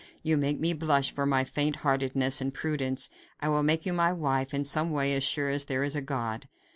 You make me blush for my faint heartedness and prudence. I will make you my wife in some way as sure as there is a God."